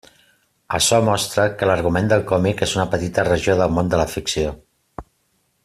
Açò mostra que l'argument del còmic és una petita regió del món de la ficció.